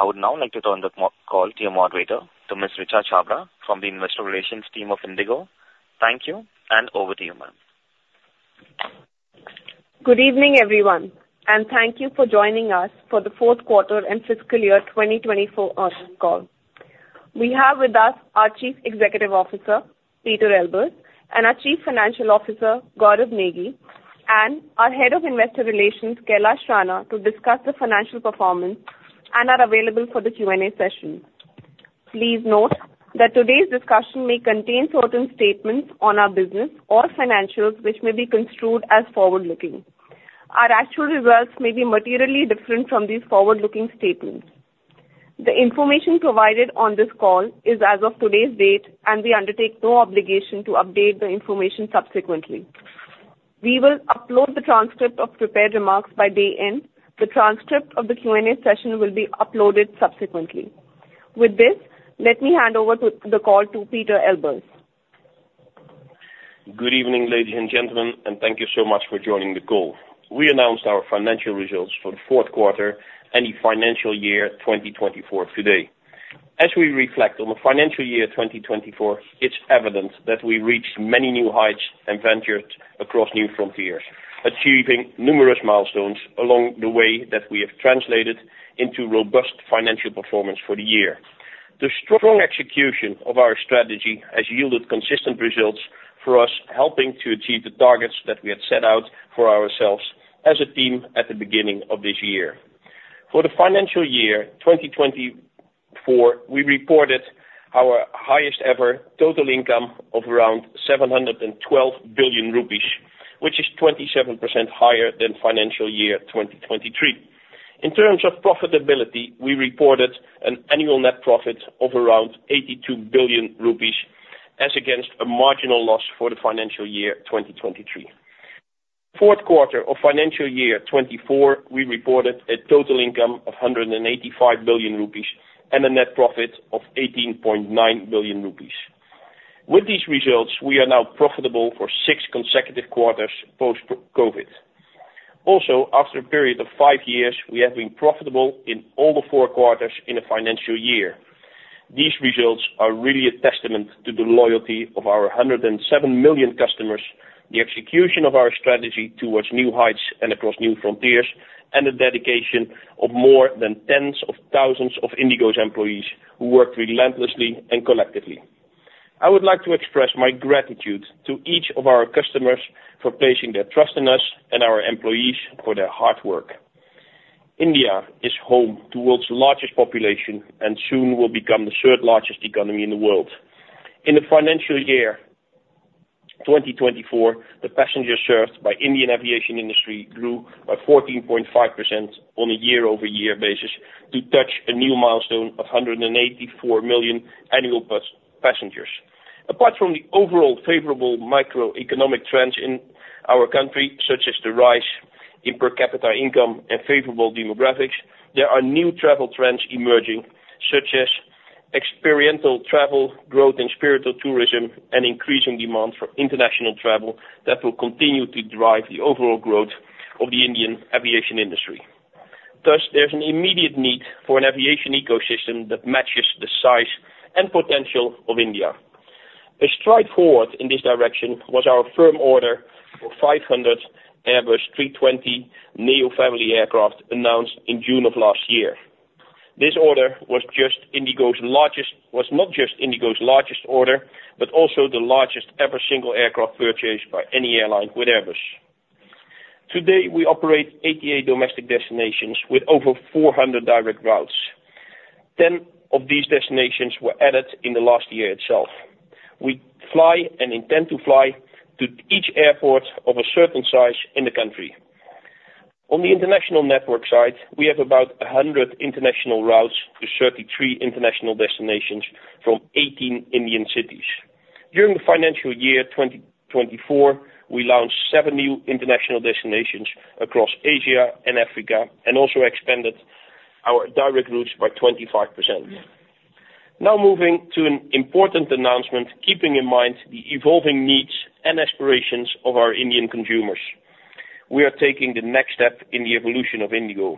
I would now like to turn the call to your moderator, to Ms. Richa Chhabra from the Investor Relations team of IndiGo. Thank you, and over to you, ma'am. Good evening, everyone, and thank you for joining us for the fourth quarter and fiscal year 2024 Earnings Call. We have with us our Chief Executive Officer, Pieter Elbers, and our Chief Financial Officer, Gaurav Negi, and our Head of Investor Relations, Kailash Rana, to discuss the financial performance and are available for the Q&A session. Please note that today's discussion may contain certain statements on our business or financials, which may be construed as forward-looking. Our actual results may be materially different from these forward-looking statements. The information provided on this call is as of today's date, and we undertake no obligation to update the information subsequently. We will upload the transcript of prepared remarks by day end. The transcript of the Q&A session will be uploaded subsequently. With this, let me hand over the call to Pieter Elbers. Good evening, ladies and gentlemen, and thank you so much for joining the call. We announced our financial results for the fourth quarter and the financial year 2024 today. As we reflect on the financial year 2024, it's evident that we reached many new heights and ventured across new frontiers, achieving numerous milestones along the way that we have translated into robust financial performance for the year. The strong execution of our strategy has yielded consistent results for us, helping to achieve the targets that we had set out for ourselves as a team at the beginning of this year. For the financial year 2024, we reported our highest ever total income of around 712 billion rupees, which is 27% higher than financial year 2023. In terms of profitability, we reported an annual net profit of around 82 billion rupees, as against a marginal loss for the financial year 2023. Fourth quarter of financial year 2024, we reported a total income of 185 billion rupees and a net profit of 18.9 billion rupees. With these results, we are now profitable for 6 consecutive quarters post-COVID. Also, after a period of 5 years, we have been profitable in all the 4 quarters in a financial year. These results are really a testament to the loyalty of our 107 million customers, the execution of our strategy towards new heights and across new frontiers, and the dedication of more than tens of thousands of IndiGo's employees, who work relentlessly and collectively. I would like to express my gratitude to each of our customers for placing their trust in us and our employees for their hard work. India is home to world's largest population and soon will become the third largest economy in the world. In the financial year 2024, the passengers served by Indian aviation industry grew by 14.5% on a year-over-year basis to touch a new milestone of 184 million annual passengers. Apart from the overall favorable microeconomic trends in our country, such as the rise in per capita income and favorable demographics, there are new travel trends emerging, such as experiential travel, growth in spiritual tourism, and increasing demand for international travel that will continue to drive the overall growth of the Indian aviation industry. Thus, there's an immediate need for an aviation ecosystem that matches the size and potential of India. A stride forward in this direction was our firm order for 500 Airbus A320neo family aircraft, announced in June of last year. This order was not just IndiGo's largest order, but also the largest ever single aircraft purchase by any airline with Airbus. Today, we operate 88 domestic destinations with over 400 direct routes. 10 of these destinations were added in the last year itself. We fly and intend to fly to each airport of a certain size in the country. On the international network side, we have about a hundred international routes to 33 international destinations from 18 Indian cities. During the financial year 2024, we launched seven new international destinations across Asia and Africa, and also expanded our direct routes by 25%. Now, moving to an important announcement, keeping in mind the evolving needs and aspirations of our Indian consumers, we are taking the next step in the evolution of IndiGo.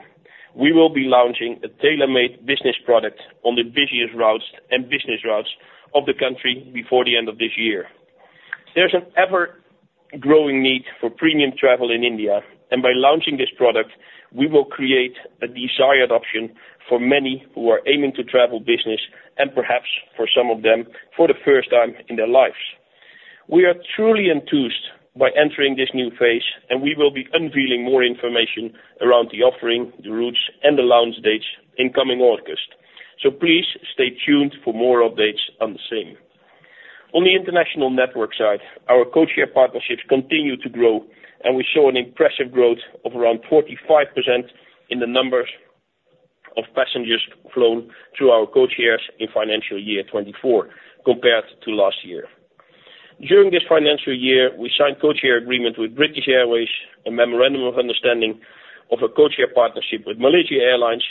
We will be launching a tailor-made business product on the busiest routes and business routes of the country before the end of this year. There's an ever-growing need for premium travel in India, and by launching this product, we will create a desired option for many who are aiming to travel business, and perhaps for some of them, for the first time in their lives. We are truly enthused by entering this new phase, and we will be unveiling more information around the offering, the routes, and the launch dates in coming August. Please stay tuned for more updates on the same. On the international network side, our codeshare partnerships continue to grow, and we saw an impressive growth of around 45% in the numbers of passengers flown through our codeshares in financial year 2024, compared to last year. During this financial year, we signed codeshare agreement with British Airways, a memorandum of understanding of a codeshare partnership with Malaysia Airlines,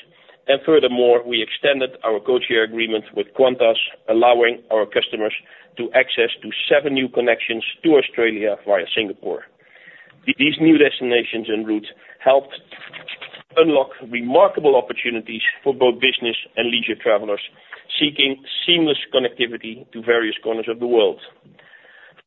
and furthermore, we extended our codeshare agreement with Qantas, allowing our customers to access to 7 new connections to Australia via Singapore. These new destinations and routes helped unlock remarkable opportunities for both business and leisure travelers, seeking seamless connectivity to various corners of the world.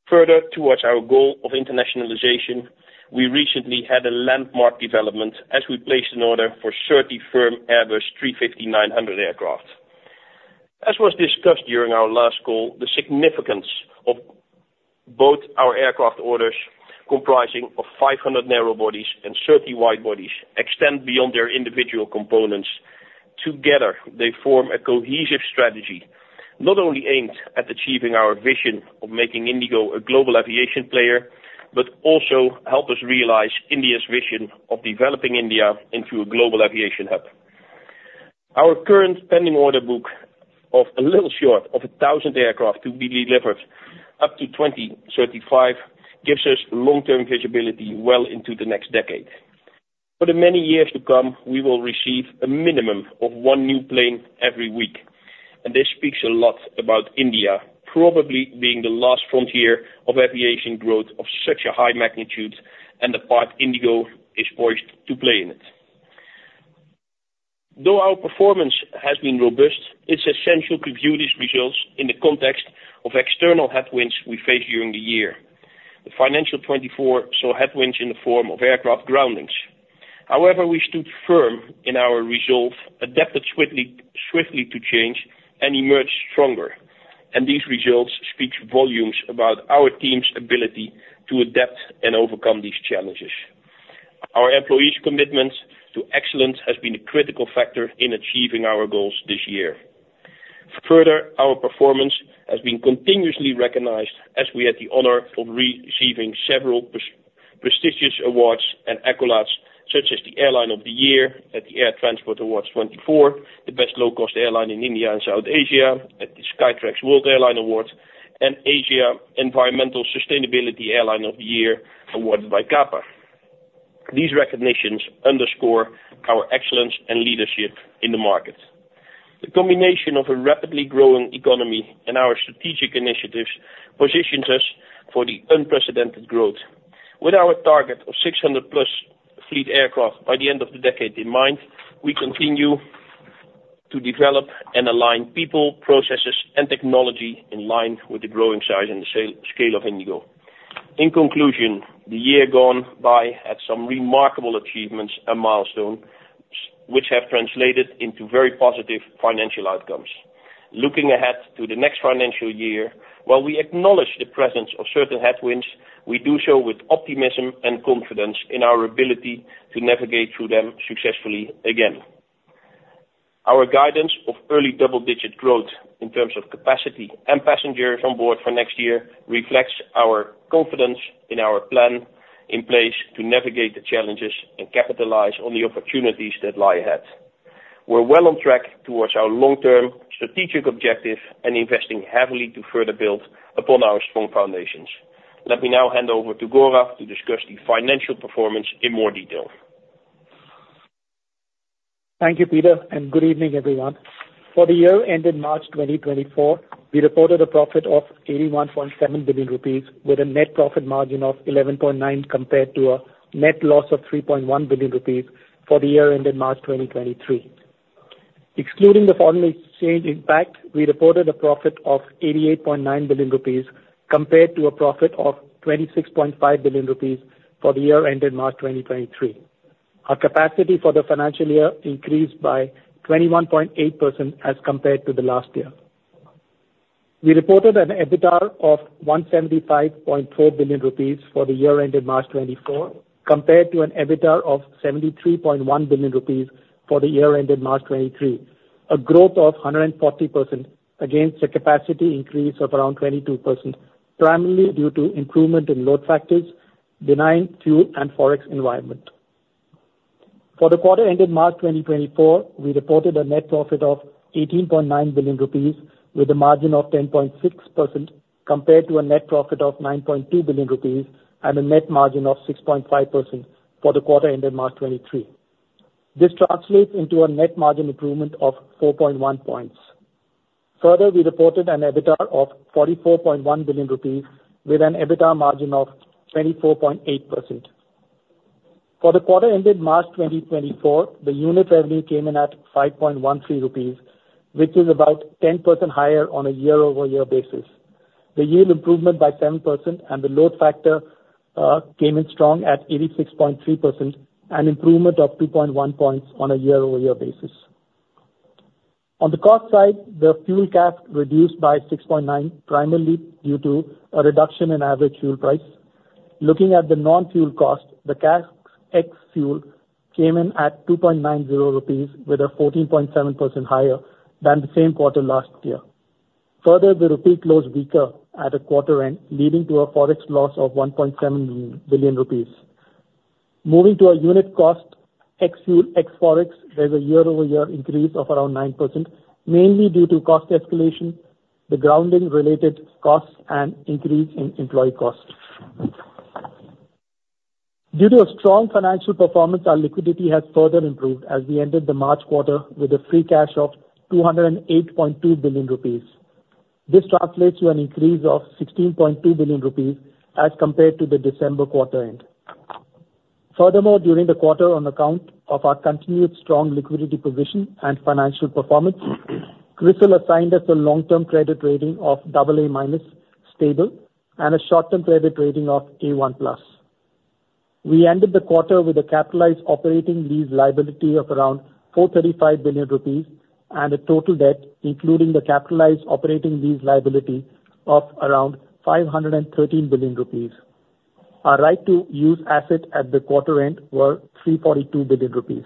Further, towards our goal of internationalization, we recently had a landmark development as we placed an order for 30 firm Airbus A350-900 aircraft. As was discussed during our last call, the significance of both our aircraft orders, comprising of 500 narrow bodies and 30 wide bodies, extend beyond their individual components. Together, they form a cohesive strategy, not only aimed at achieving our vision of making IndiGo a global aviation player, but also help us realize India's vision of developing India into a global aviation hub. Our current pending order book of a little short of 1,000 aircraft to be delivered up to 2035, gives us long-term visibility well into the next decade. For the many years to come, we will receive a minimum of one new plane every week, and this speaks a lot about India, probably being the last frontier of aviation growth of such a high magnitude and the part IndiGo is poised to play in it. Though our performance has been robust, it's essential to view these results in the context of external headwinds we faced during the year. The financial 2024 saw headwinds in the form of aircraft groundings. However, we stood firm in our resolve, adapted swiftly to change and emerged stronger. These results speak volumes about our team's ability to adapt and overcome these challenges. Our employees' commitment to excellence has been a critical factor in achieving our goals this year. Further, our performance has been continuously recognized as we had the honor of receiving several prestigious awards and accolades, such as the Airline of the Year at the Air Transport Awards 2024, the best low-cost airline in India and South Asia at the Skytrax World Airline Awards, and Asia Environmental Sustainability Airline of the Year awarded by CAPA. These recognitions underscore our excellence and leadership in the market. The combination of a rapidly growing economy and our strategic initiatives positions us for the unprecedented growth. With our target of 600+ fleet aircraft by the end of the decade in mind, we continue to develop and align people, processes, and technology in line with the growing size and the scale of IndiGo. In conclusion, the year gone by had some remarkable achievements and milestones, which have translated into very positive financial outcomes. Looking ahead to the next financial year, while we acknowledge the presence of certain headwinds we do so with optimism and confidence in our ability to navigate through them successfully again. Our guidance of early double-digit growth in terms of capacity and passengers on board for next year, reflects our confidence in our plan in place to navigate the challenges and capitalize on the opportunities that lie ahead. We're well on track towards our long-term strategic objective and investing heavily to further build upon our strong foundations. Let me now hand over to Gaurav to discuss the financial performance in more detail. Thank you, Pieter, and good evening, everyone. For the year ended March 2024, we reported a profit of 81.7 billion rupees, with a net profit margin of 11.9%, compared to a net loss of 3.1 billion rupees for the year ended March 2023. Excluding the foreign exchange impact, we reported a profit of 88.9 billion rupees compared to a profit of 26.5 billion rupees for the year ended March 2023. Our capacity for the financial year increased by 21.8% as compared to the last year. We reported an EBITDA of 175.4 billion rupees for the year ended March 2024, compared to an EBITDA of 73.1 billion rupees for the year ended March 2023, a growth of 140% against a capacity increase of around 22%, primarily due to improvement in load factors, benign fuel and forex environment. For the quarter ended March 2024, we reported a net profit of 18.9 billion rupees, with a margin of 10.6%, compared to a net profit of 9.2 billion rupees and a net margin of 6.5% for the quarter ended March 2023. This translates into a net margin improvement of 4.1 points. Further, we reported an EBITDA of 44.1 billion rupees with an EBITDA margin of 24.8%. For the quarter ended March 2024, the unit revenue came in at 5.13 rupees, which is about 10% higher on a year-over-year basis. The yield improvement by 7% and the load factor came in strong at 86.3%, an improvement of 2.1 points on a year-over-year basis. On the cost side, the fuel CASK reduced by 6.9, primarily due to a reduction in average fuel price. Looking at the non-fuel cost, the CASK ex fuel came in at 2.90 rupees, with a 14.7% higher than the same quarter last year. Further, the rupee closed weaker at a quarter end, leading to a forex loss of 1.7 billion rupees. Moving to our unit cost, ex fuel, ex forex, there's a year-over-year increase of around 9%, mainly due to cost escalation, the grounding related costs, and increase in employee costs. Due to a strong financial performance, our liquidity has further improved as we ended the March quarter with a free cash of 208.2 billion rupees. This translates to an increase of 16.2 billion rupees as compared to the December quarter end. Furthermore, during the quarter, on account of our continued strong liquidity position and financial performance, CRISIL assigned us a long-term credit rating of AA- Stable and a short-term credit rating of A1+. We ended the quarter with a capitalized operating lease liability of around 435 billion rupees and a total debt, including the capitalized operating lease liability of around 513 billion rupees. Our right to use asset at the quarter end were 342 billion rupees.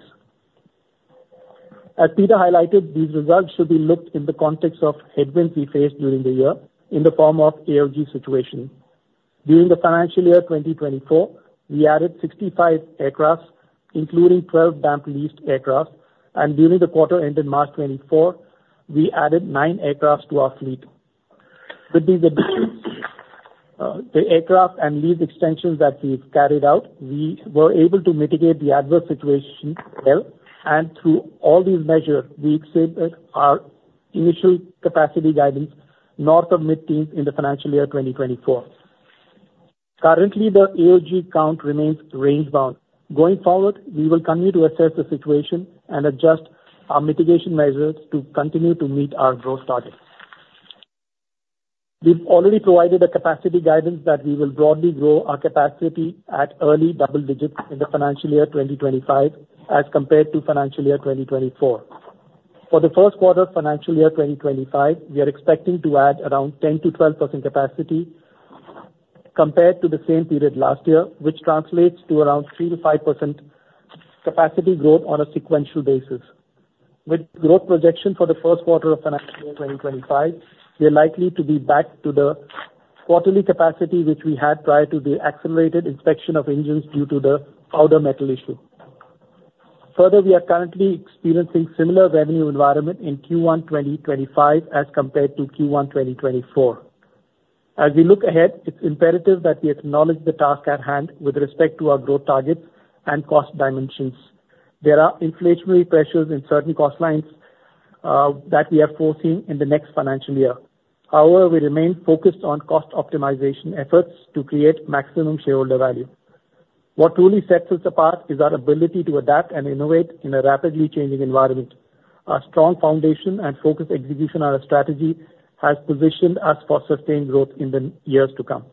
As Pieter highlighted, these results should be looked in the context of headwinds we faced during the year in the form of AOG situation. During the financial year 2024, we added 65 aircrafts, including 12 damp leased aircrafts, and during the quarter ended March 2024, we added 9 aircrafts to our fleet. With these additions, the aircraft and lease extensions that we've carried out, we were able to mitigate the adverse situation well, and through all these measures, we exceeded our initial capacity guidance north of mid-teens in the financial year 2024. Currently, the AOG count remains range bound. Going forward, we will continue to assess the situation and adjust our mitigation measures to continue to meet our growth targets. We've already provided a capacity guidance that we will broadly grow our capacity at early double digits in the financial year 2025 as compared to financial year 2024. For the first quarter of financial year 2025, we are expecting to add around 10%-12% capacity compared to the same period last year, which translates to around 3%-5% capacity growth on a sequential basis. With growth projection for the first quarter of financial year 2025, we are likely to be back to the quarterly capacity, which we had prior to the accelerated inspection of engines due to the powder metal issue. Further, we are currently experiencing similar revenue environment in Q1 2025 as compared to Q1 2024. As we look ahead, it's imperative that we acknowledge the task at hand with respect to our growth targets and cost dimensions. There are inflationary pressures in certain cost lines that we are foreseeing in the next financial year. However, we remain focused on cost optimization efforts to create maximum shareholder value. What truly sets us apart is our ability to adapt and innovate in a rapidly changing environment. Our strong foundation and focused execution on our strategy has positioned us for sustained growth in the years to come.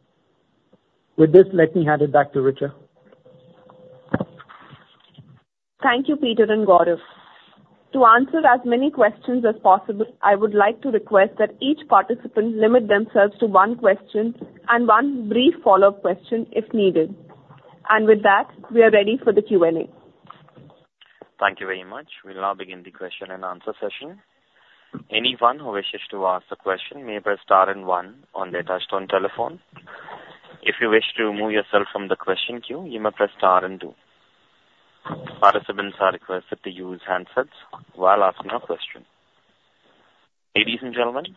With this, let me hand it back to Richa. Thank you, Pieter and Gaurav. To answer as many questions as possible, I would like to request that each participant limit themselves to one question and one brief follow-up question if needed. With that, we are ready for the Q&A. Thank you very much. We'll now begin the question and answer session. Anyone who wishes to ask a question may press star and one on their touch-tone telephone. If you wish to remove yourself from the question queue, you may press star and two. Participants are requested to use handsets while asking a question. Ladies and gentlemen,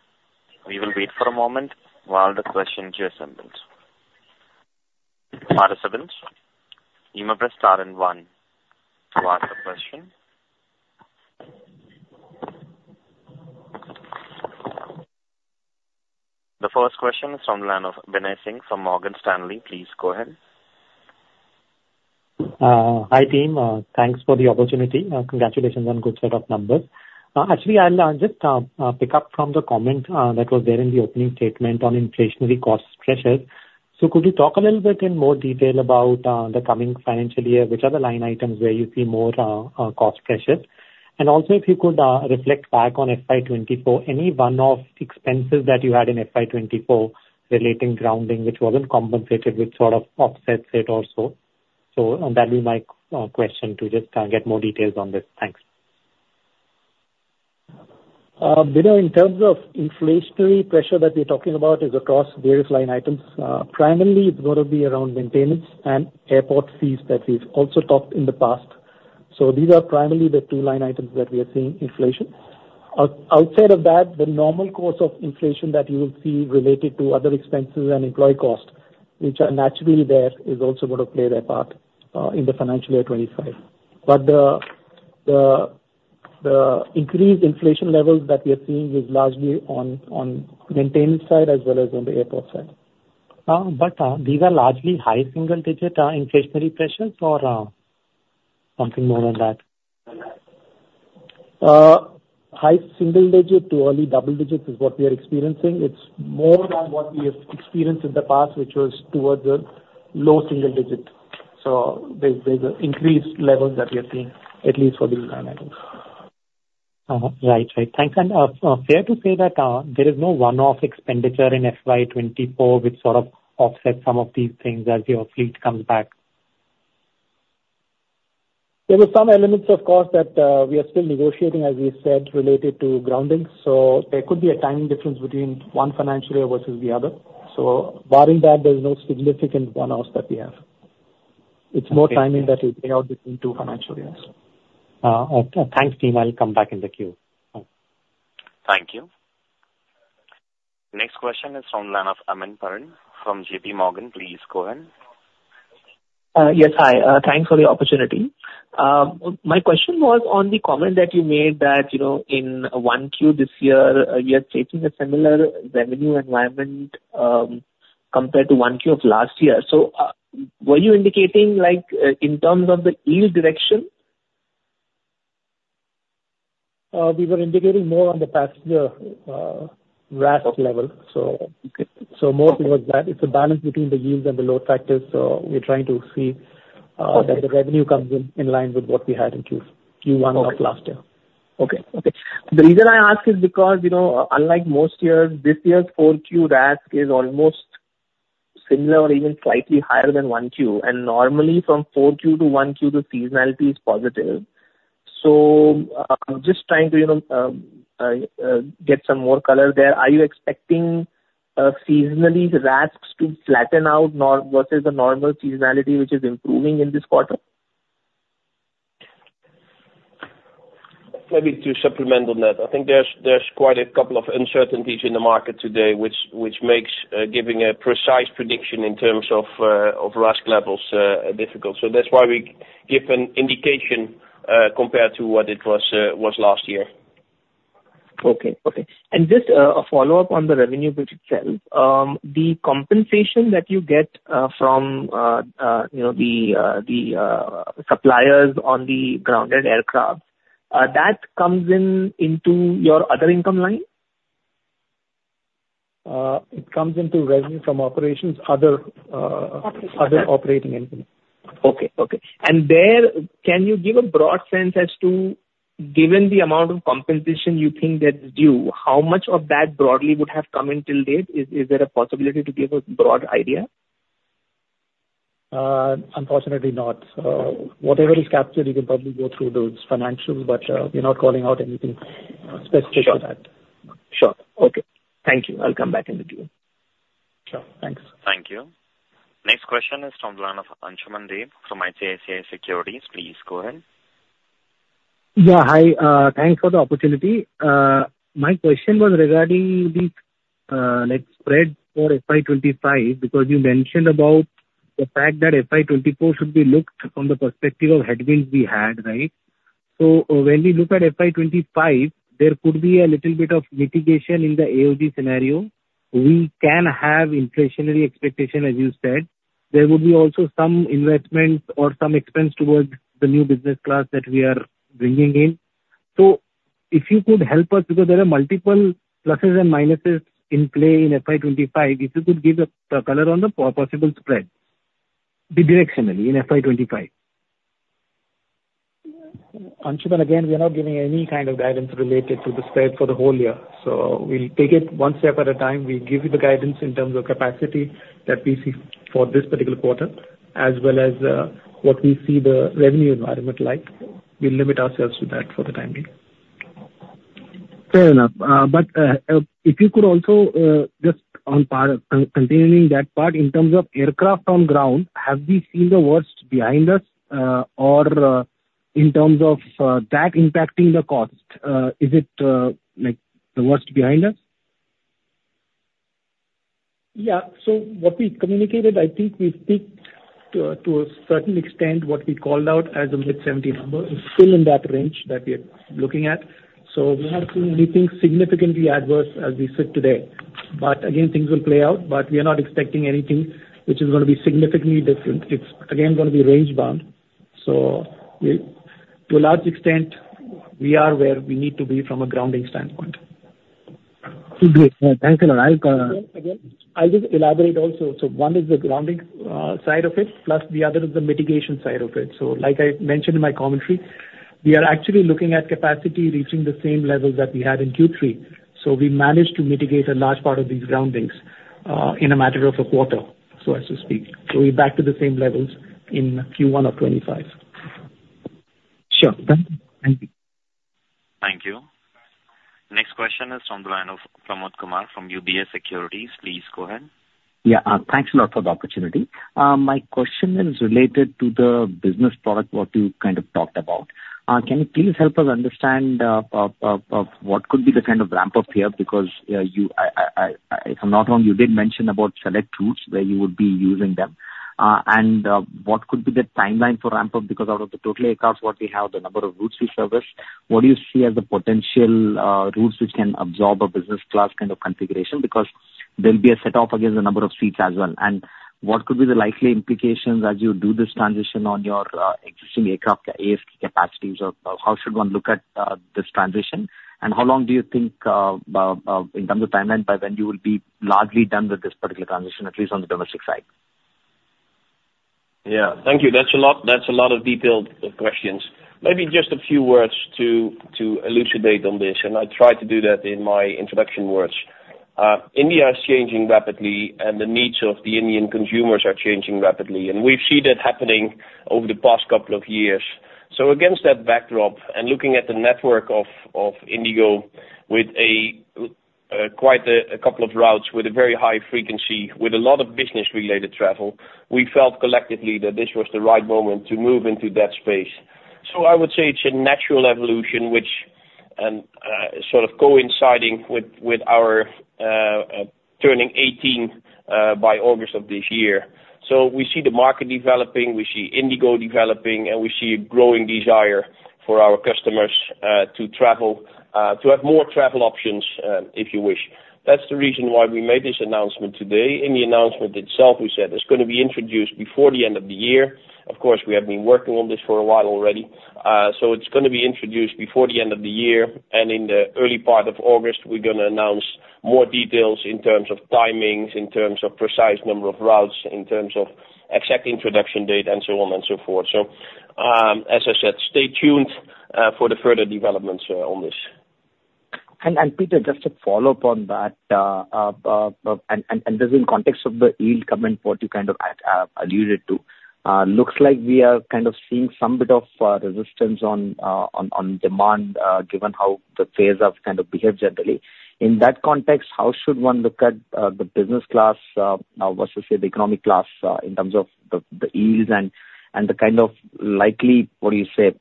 we will wait for a moment while the questions assemble. Participants, you may press star and one to ask a question. The first question is from the line of Binay Singh from Morgan Stanley. Please go ahead. Hi, team. Thanks for the opportunity and congratulations on good set of numbers. Actually, I'll just pick up from the comment that was there in the opening statement on inflationary cost pressures. So could you talk a little bit in more detail about the coming financial year, which are the line items where you see more cost pressures? And also, if you could reflect back on FY 2024, any one-off expenses that you had in FY 2024 relating grounding, which wasn't compensated, which sort of offsets it also? So, that'll be my question, to just get more details on this. Thanks. Binay, in terms of inflationary pressure that we're talking about is across various line items. Primarily, it's going to be around maintenance and airport fees that we've also talked in the past. So these are primarily the two line items that we are seeing inflation. Outside of that, the normal course of inflation that you will see related to other expenses and employee costs, which are naturally there, is also going to play their part, in the financial year 25. But the increased inflation levels that we are seeing is largely on maintenance side as well as on the airport side. But, these are largely high single-digit inflationary pressures or something more than that? High single digit to early double digits is what we are experiencing. It's more than what we have experienced in the past, which was towards the low single digits. So there's increased levels that we are seeing, at least for these line items. Uh-huh. Right. Right. Thanks. And, fair to say that, there is no one-off expenditure in FY 2024, which sort of offsets some of these things as your fleet comes back? There were some elements, of course, that we are still negotiating, as we said, related to grounding. There could be a timing difference between one financial year versus the other. Barring that, there's no significant one-offs that we have. It's more timing that will pay out between two financial years. Okay. Thanks, team. I'll come back in the queue. Thank you. Next question is from the line of Aman Panjwani from JP Morgan. Please go ahead. Yes, hi. Thanks for the opportunity. My question was on the comment that you made that, you know, in 1Q this year, you are taking a similar revenue environment, compared to 1Q of last year. So, were you indicating, like, in terms of the yield direction? We were indicating more on the passenger RASK level. So more towards that. It's a balance between the yields and the load factors, so we're trying to see that the revenue comes in line with what we had in Q1 of last year. Okay. Okay. The reason I ask is because, you know, unlike most years, this year's four Q RASK is almost similar or even slightly higher than one Q. And normally, from four Q to one Q, the seasonality is positive. So I'm just trying to, you know, get some more color there. Are you expecting seasonally RASKs to flatten out versus the normal seasonality, which is improving in this quarter? Maybe to supplement on that, I think there's quite a couple of uncertainties in the market today, which makes giving a precise prediction in terms of RASK levels difficult. So that's why we give an indication compared to what it was last year. Okay. Okay. And just a follow-up on the revenue bit itself. The compensation that you get from, you know, the suppliers on the grounded aircraft that comes in into your other income line? It comes into revenue from operations, other, other operating income. Okay, okay. Can you give a broad sense as to, given the amount of compensation you think that's due, how much of that broadly would have come in till date? Is there a possibility to give a broad idea? Unfortunately not. So whatever is captured, you can probably go through those financials, but, we're not calling out anything specific to that. Sure. Sure. Okay. Thank you. I'll come back in the queue. Sure. Thanks. Thank you. Next question is from the line of Ansuman Deb from ICICI Securities. Please go ahead. Yeah, hi. Thanks for the opportunity. My question was regarding the, like, spread for FY 25, because you mentioned about the fact that FY 24 should be looked from the perspective of headwinds we had, right? So when we look at FY 25, there could be a little bit of mitigation in the AOG scenario. We can have inflationary expectation, as you said. There would be also some investment or some expense towards the new business class that we are bringing in. So if you could help us, because there are multiple pluses and minuses in play in FY 25, if you could give a color on the possible spread, the directionally in FY 25. Ansuman, again, we are not giving any kind of guidance related to the spread for the whole year, so we'll take it one step at a time. We give you the guidance in terms of capacity that we see for this particular quarter, as well as, what we see the revenue environment like. We'll limit ourselves to that for the time being. Fair enough. But if you could also just on part, continuing that part, in terms of aircraft on ground, have we seen the worst behind us, or in terms of that impacting the cost, is it like the worst behind us? Yeah. So what we communicated, I think we speak to a, to a certain extent, what we called out as a mid-70 number. It's still in that range that we are looking at, so we haven't seen anything significantly adverse as we sit today. But again, things will play out, but we are not expecting anything which is gonna be significantly different. It's again, gonna be range bound, so we To a large extent, we are where we need to be from a grounding standpoint. Great. Thanks a lot. I'll, Again, I'll just elaborate also. So one is the grounding side of it, plus the other is the mitigation side of it. So like I mentioned in my commentary, we are actually looking at capacity reaching the same levels that we had in Q3. So we managed to mitigate a large part of these groundings, in a matter of a quarter, so as to speak. So we're back to the same levels in Q1 of 2025. Sure. Done. Thank you. Thank you. Next question is from the line of Pramod Kumar from UBS Securities. Please go ahead. Yeah, thanks a lot for the opportunity. My question is related to the business product, what you kind of talked about. Can you please help us understand what could be the kind of ramp-up here? Because, you, if I'm not wrong, you did mention about select routes where you would be using them. And what could be the timeline for ramp-up, because out of the total aircraft what we have, the number of routes we service, what do you see as the potential routes which can absorb a business class kind of configuration? Because there'll be a set off against the number of seats as well. And what could be the likely implications as you do this transition on your existing aircraft, ASK capacities of how should one look at this transition?bHow long do you think, in terms of timeline, by when you will be largely done with this particular transition, at least on the domestic side? Yeah. Thank you. That's a lot, that's a lot of detailed questions. Maybe just a few words to elucidate on this, and I tried to do that in my introduction words. India is changing rapidly, and the needs of the Indian consumers are changing rapidly, and we've seen that happening over the past couple of years. So against that backdrop, and looking at the network of IndiGo, with quite a couple of routes with a very high frequency, with a lot of business-related travel, we felt collectively that this was the right moment to move into that space. So I would say it's a natural evolution and sort of coinciding with our turning eighteen by August of this year. So we see the market developing, we see IndiGo developing, and we see a growing desire for our customers to travel, to have more travel options, if you wish. That's the reason why we made this announcement today. In the announcement itself, we said it's gonna be introduced before the end of the year. Of course, we have been working on this for a while already. It's gonna be introduced before the end of the year, and in the early part of August, we're gonna announce more details in terms of timings, in terms of precise number of routes, in terms of exact introduction date, and so on and so forth. As I said, stay tuned for the further developments on this. Pieter, just a follow-up on that, and this in context of the yield comment, what you kind of alluded to. Looks like we are kind of seeing some bit of resistance on demand, given how the phase ups kind of behave generally. In that context, how should one look at the Business Class now versus, say, the economy class, in terms of the yields and the kind of likely, what do you say,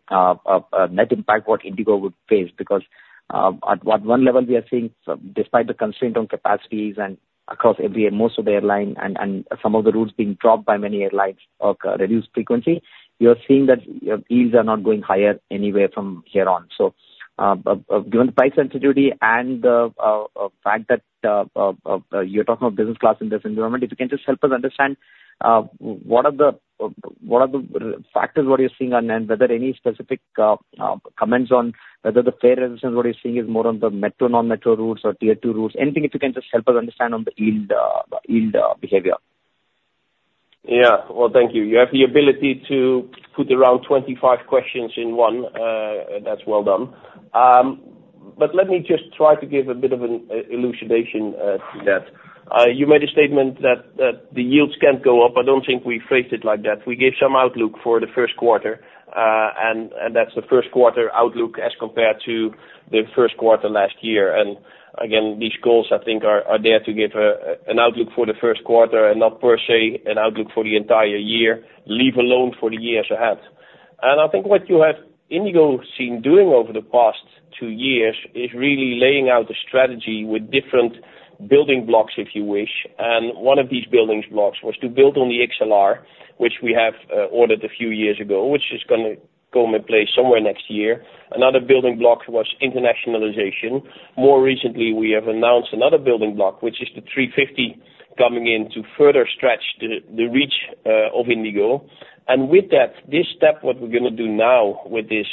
net impact what IndiGo would face? Because at one level, we are seeing, despite the constraint on capacities and across every most of the airline and some of the routes being dropped by many airlines or reduced frequency, you're seeing that yields are not going higher anywhere from here on. So, given the price sensitivity and the fact that you're talking about business class in this environment, if you can just help us understand what are the factors, what you're seeing on, and whether any specific comments on whether the fare resistance, what you're seeing, is more on the metro, non-metro routes or tier two routes? Anything, if you can just help us understand on the yield, yield behavior. Yeah. Well, thank you. You have the ability to put around 25 questions in one. That's well done. But let me just try to give a bit of an illumination to that. You made a statement that the yields can't go up. I don't think we phrased it like that. We gave some outlook for the first quarter, and that's the first quarter outlook as compared to the first quarter last year. And again, these goals, I think, are there to give an outlook for the first quarter and not per se an outlook for the entire year, leave alone for the years ahead. And I think what you have IndiGo seen doing over the past two years is really laying out a strategy with different building blocks, if you wish. One of these building blocks was to build on the XLR, which we have ordered a few years ago, which is gonna go in place somewhere next year. Another building block was internationalization. More recently, we have announced another building block, which is the 350, coming in to further stretch the reach of IndiGo. And with that, this step, what we're gonna do now with this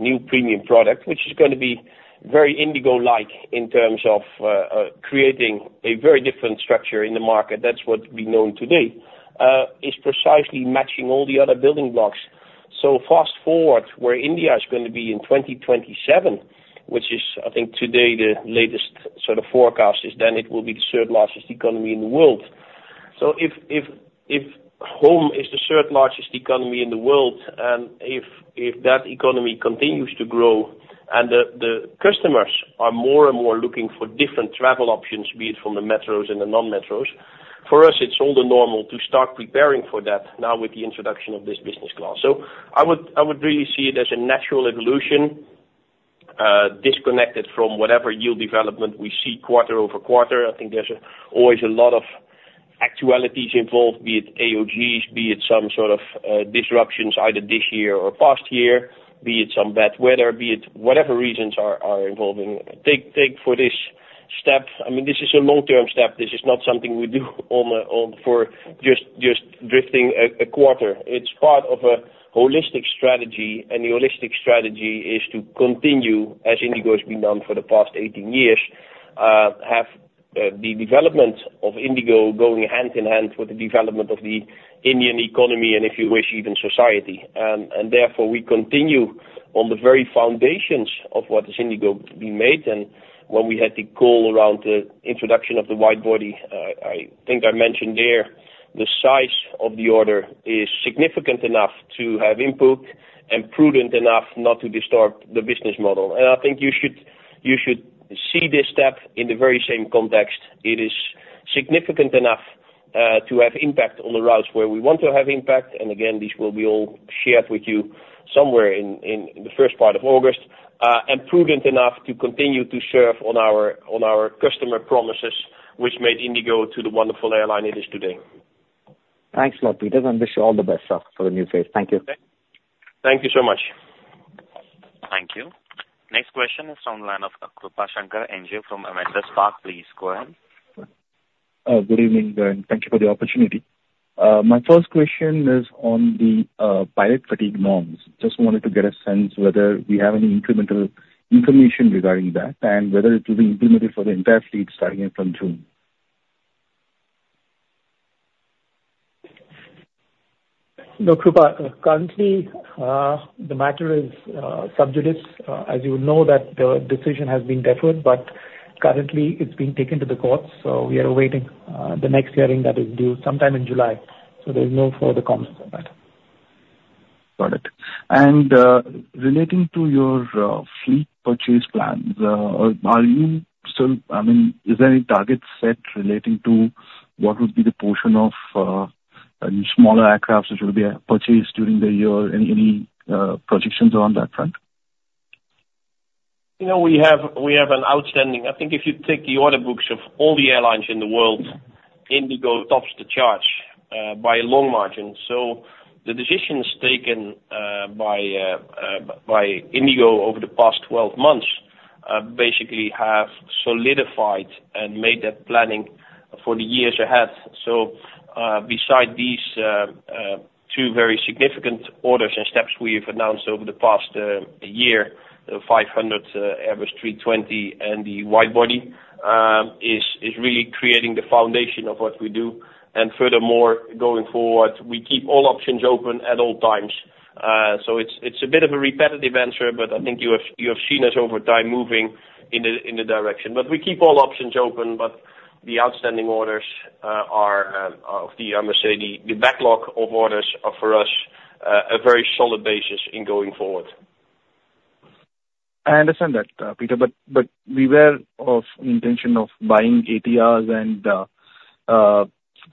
new premium product, which is gonna be very IndiGo-like in terms of creating a very different structure in the market, that's what we know today, is precisely matching all the other building blocks. So fast forward, where India is gonna be in 2027, which is, I think today, the latest sort of forecast, is then it will be the third largest economy in the world. So if home is the third largest economy in the world, and if that economy continues to grow and the customers are more and more looking for different travel options, be it from the metros and the non-metros, for us, it's all the normal to start preparing for that now with the introduction of this Business Class. So I would really see it as a natural evolution, disconnected from whatever yield development we see quarter over quarter. I think there's always a lot of actualities involved, be it AOGs, be it some sort of disruptions, either this year or past year, be it some bad weather, be it whatever reasons are involved in. Take for this step, I mean, this is a long-term step. This is not something we do on, on for just drifting a quarter. It's part of a holistic strategy, and the holistic strategy is to continue, as IndiGo has been done for the past 18 years, the development of IndiGo going hand in hand with the development of the Indian economy, and if you wish, even society. And therefore, we continue on the very foundations of what has IndiGo been made, and when we had the call around the introduction of the wide body, I think I mentioned there, the size of the order is significant enough to have input and prudent enough not to distort the business model. And I think you should, you should see this step in the very same context. It is significant enough to have impact on the routes where we want to have impact, and again, this will be all shared with you somewhere in the first part of August, and prudent enough to continue to serve on our customer promises, which made IndiGo to the wonderful airline it is today. Thanks a lot, Pieter, and wish you all the best for the new phase. Thank you. Thank you so much. Thank you. Next question is from the line of Krupa Shankar from Avendus Spark. Please go ahead. Good evening, and thank you for the opportunity. My first question is on the pilot fatigue norms. Just wanted to get a sense whether we have any incremental information regarding that, and whether it will be implemented for the entire fleet, starting from June? Look, Krupa, currently, the matter is sub judice. As you know, that the decision has been deferred, but currently it's being taken to the courts, so we are awaiting the next hearing that is due sometime in July. So there's no further comments on that. Got it. And, relating to your fleet purchase plans, are you still I mean, is there any target set relating to what would be the portion of? and smaller aircrafts which will be purchased during the year. Any projections around that front? You know, we have an outstanding-- I think if you take the order books of all the airlines in the world, IndiGo tops the charge by a long margin. So the decisions taken by IndiGo over the past 12 months basically have solidified and made that planning for the years ahead. So, beside these two very significant orders and steps we've announced over the past year, the 500 Airbus 320 and the wide body is really creating the foundation of what we do. And furthermore, going forward, we keep all options open at all times. So it's a bit of a repetitive answer, but I think you have seen us over time moving in the direction. But we keep all options open, but the outstanding orders are, of the—I must say, the backlog of orders are, for us, a very solid basis in going forward. I understand that, Pieter, but we were of intention of buying ATRs and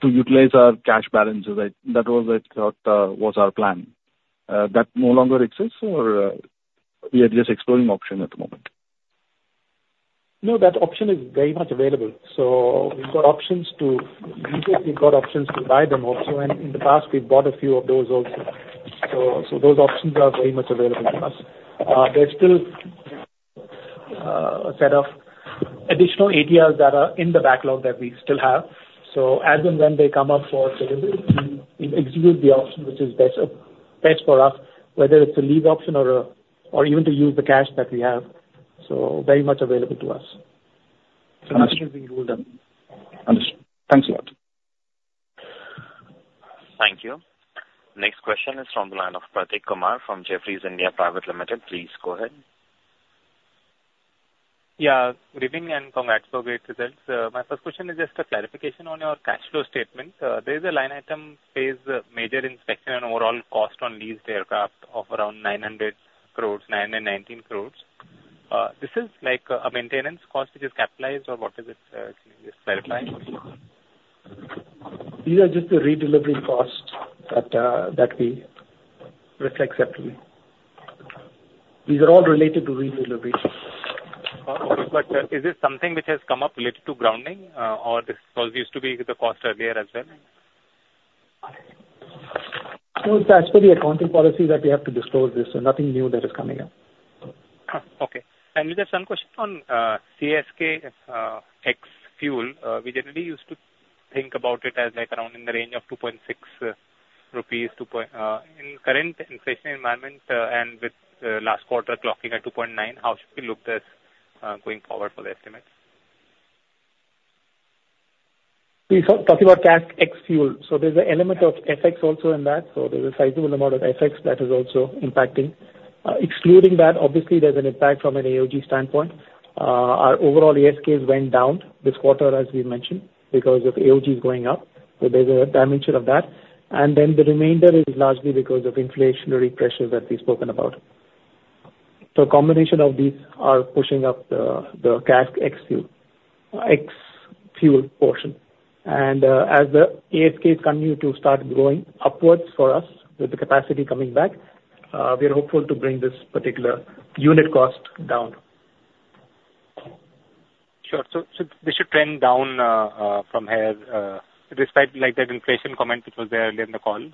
to utilize our cash balances. That was, I thought, was our plan. That no longer exists or we are just exploring option at the moment? No, that option is very much available. So we've got options to We've got options to buy them also, and in the past, we've bought a few of those also. So those options are very much available to us. There's still a set of additional ATRs that are in the backlog that we still have. So as and when they come up for delivery, we execute the option which is best for us, whether it's a lease option or even to use the cash that we have. So very much available to us. Understood. Thanks a lot. Thank you. Next question is from the line of Prateek Kumar from Jefferies India Private Limited. Please go ahead. Yeah, good evening and congrats for great results. My first question is just a clarification on your cash flow statement. There is a line item, Payment for Major Inspection and Overhaul Cost on Leased Aircraft of around 919 crore. This is like a maintenance cost, which is capitalized, or what is it? Can you just clarify? These are just the redelivery costs that we reflect separately. These are all related to redelivery. Okay, but, is this something which has come up related to grounding, or this cost used to be the cost earlier as well? No, it's as per the accounting policy that we have to disclose this, so nothing new that is coming up. Okay. Just one question on CASK ex-fuel. We generally used to think about it as, like, around in the range of 2.6 rupees, 2 point in current inflation environment, and with last quarter clocking at 2.9, how should we look this going forward for the estimates? We start talking about CASK ex-fuel. So there's an element of FX also in that, so there's a sizable amount of FX that is also impacting. Excluding that, obviously, there's an impact from an AOG standpoint. Our overall ASK went down this quarter, as we mentioned, because of AOG is going up, so there's a dimension of that. And then the remainder is largely because of inflationary pressures that we've spoken about. So combination of these are pushing up the, the CASK ex-fuel, ex-fuel portion. And, as the ASK continue to start growing upwards for us with the capacity coming back, we are hopeful to bring this particular unit cost down. Sure. So this should trend down from here, despite like that inflation comment, which was there earlier in the call.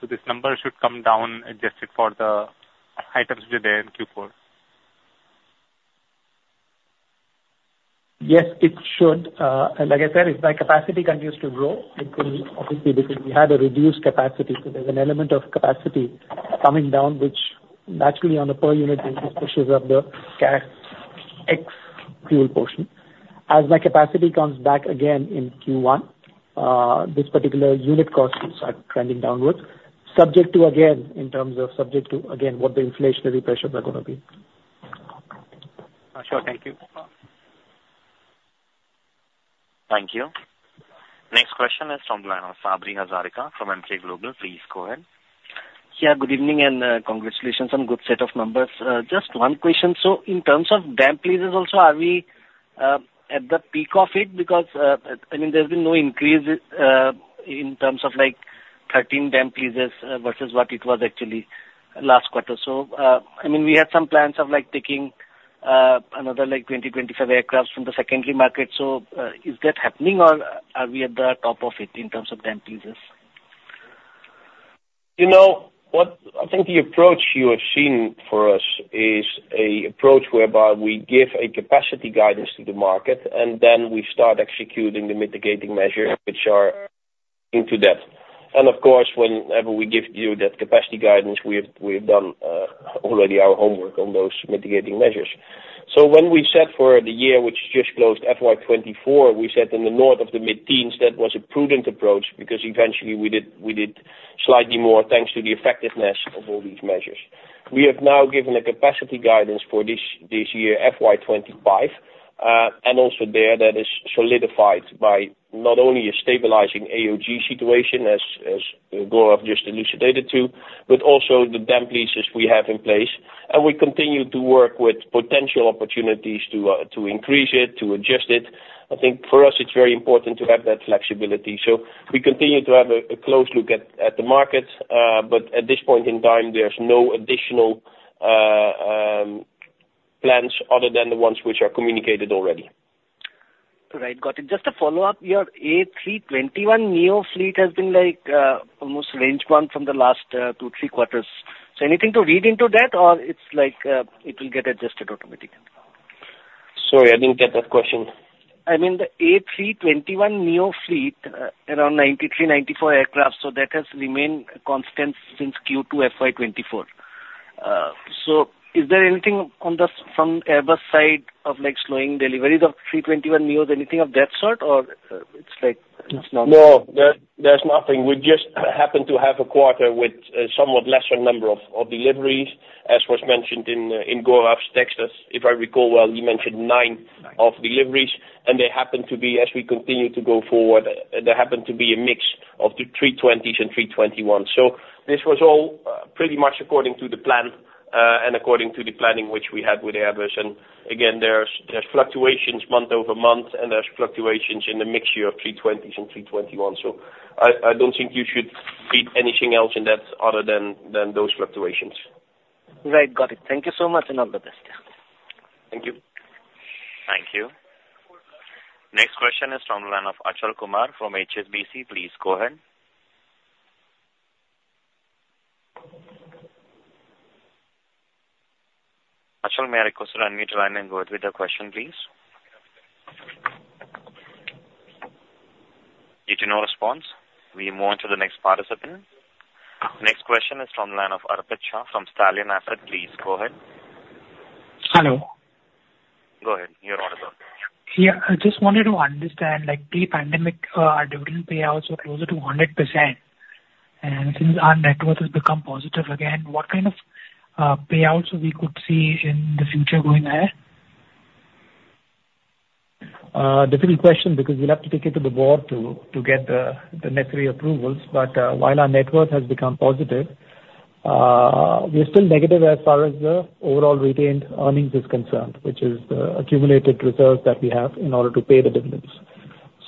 So this number should come down, adjusted for the items which are there in Q4? Yes, it should. And like I said, if my capacity continues to grow, it will obviously, because we had a reduced capacity, so there's an element of capacity coming down, which naturally on a per unit basis, pushes up the CASK ex-fuel portion. As my capacity comes back again in Q1, this particular unit costs will start trending downwards, subject to what the inflationary pressures are gonna be. Sure. Thank you. Thank you. Next question is from the line of Sabri Hazarika from Emkay Global Financial Services. Please go ahead. Yeah, good evening, and, congratulations on good set of numbers. Just one question: so in terms of damp leases also, are we at the peak of it? Because, I mean, there's been no increase, in terms of, like, 13 damp leases, versus what it was actually last quarter. So, I mean, we had some plans of, like, taking, another, like, 20-25 aircraft from the secondary market. So, is that happening or are we at the top of it in terms of damp leases? You know, what. I think the approach you have seen for us is a approach whereby we give a capacity guidance to the market, and then we start executing the mitigating measures which are into debt. And of course, whenever we give you that capacity guidance, we have done already our homework on those mitigating measures. So when we set for the year, which just closed, FY 2024, we set in the north of the mid-teens. That was a prudent approach, because eventually we did slightly more, thanks to the effectiveness of all these measures. We have now given a capacity guidance for this year, FY 2025, and also there that is solidified by not only a stabilizing AOG situation, as Gaurav just elucidated to, but also the damp leases we have in place. And we continue to work with potential opportunities to increase it, to adjust it. I think for us, it's very important to have that flexibility. So we continue to have a close look at the market, but at this point in time, there's no additional plans other than the ones which are communicated already. Right. Got it. Just a follow-up. Your A321neo fleet has been, like, almost range bound from the last 2-3 quarters. So anything to read into that, or it's like, it will get adjusted automatically? Sorry, I didn't get that question. I mean, the A321neo fleet, around 93, 94 aircraft, so that has remained constant since Q2 FY 2024. So is there anything on the, from Airbus side of, like, slowing deliveries of 321 neos, anything of that sort? Or, it's like it's not- No, there's nothing. We just happen to have a quarter with a somewhat lesser number of deliveries, as was mentioned. If I recall well, he mentioned nine- Nine of deliveries, and they happen to be, as we continue to go forward, they happen to be a mix of the 320s and 321s. So this was all pretty much according to the plan and according to the planning which we had with Airbus. And again, there's fluctuations month-over-month, and there's fluctuations in the mixture of 320s and 321s. So I don't think you should read anything else in that other than those fluctuations. Right. Got it. Thank you so much, and all the best. Thank you. Thank you. Next question is from the line of Achal Kumar from HSBC. Please go ahead. Achal, may I request you to unmute your line and go ahead with the question, please? Getting no response. We move on to the next participant. Next question is from the line of Arpit Shah from Stallion Asset. Please go ahead. Hello. Go ahead. You're on as well. Yeah, I just wanted to understand, like, pre-pandemic, our dividend payouts were closer to 100%, and since our network has become positive again, what kind of payouts we could see in the future going ahead? Difficult question, because we'll have to take it to the board to get the necessary approvals. But, while our network has become positive, we're still negative as far as the overall retained earnings is concerned, which is the accumulated reserves that we have in order to pay the dividends.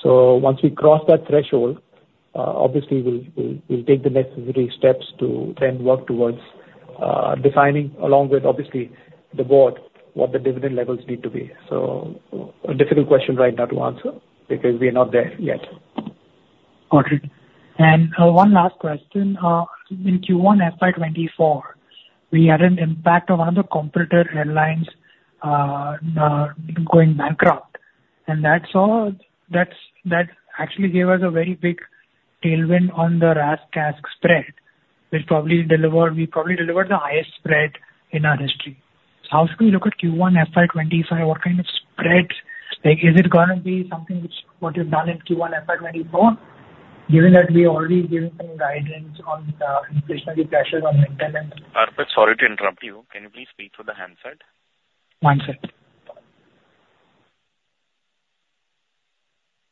So once we cross that threshold, obviously we'll take the necessary steps to then work towards defining, along with obviously the board, what the dividend levels need to be. So a difficult question right now to answer, because we are not there yet. Got it. And, one last question: In Q1 FY 2024, we had an impact on one of the competitor airlines going bankrupt, and that's all that's, that actually gave us a very big tailwind on the RASK, CASK spread, which probably delivered, we probably delivered the highest spread in our history. How do we look at Q1 FY 2025? What kind of spreads? Like, is it gonna be something which, what you've done in Q1 FY 2024, given that we've already given some guidance on the inflationary pressures on maintenance? Arpit, sorry to interrupt you. Can you please speak through the handset? Handset.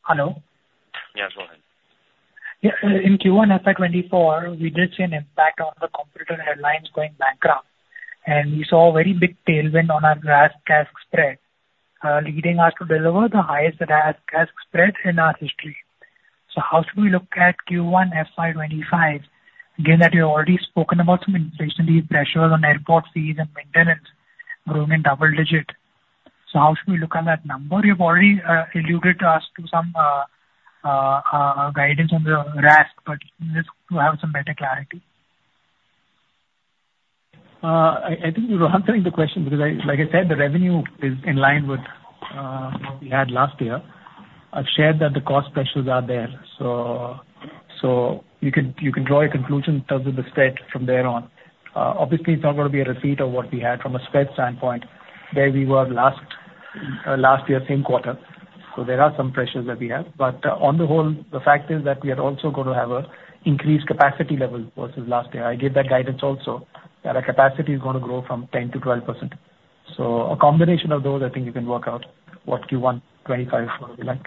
Hello? Yeah, go ahead. Yeah, in Q1 FY 2024, we did see an impact on the competitor airlines going bankrupt, and we saw a very big tailwind on our RASK, CASK spread, leading us to deliver the highest RASK, CASK spread in our history. So how should we look at Q1 FY 2025, given that you've already spoken about some inflationary pressures on airport fees and maintenance growing in double digits? So how should we look at that number? You've already alluded to us to some guidance on the RASK, but just to have some better clarity. I think we're answering the question, because, like I said, the revenue is in line with what we had last year. I've shared that the cost pressures are there, so you can draw a conclusion in terms of the spread from there on. Obviously, it's not gonna be a repeat of what we had from a spread standpoint where we were last year, same quarter. So there are some pressures that we have. But on the whole, the fact is that we are also gonna have a increased capacity level versus last year. I gave that guidance also, that our capacity is gonna grow 10%-12%. So a combination of those, I think you can work out what Q1 2025 will be like.